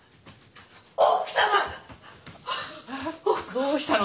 どうしたの？